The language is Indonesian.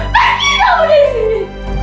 bagi kamu disini